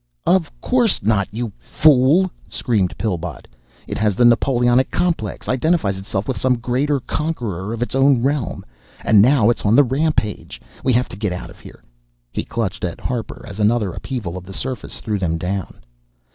"Of course not, you fool!" screamed Pillbot. "It has the Napoleonic complex, identifies itself with some great conqueror of its own realm. And now it's on the rampage. We have to get out of here " He clutched at Harper as another upheaval of the surface threw them down.